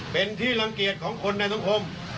เป็นที่รังเกียจของคนในสังคม